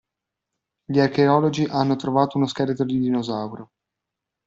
Gli archeologi hanno trovato uno scheletro di dinosauro.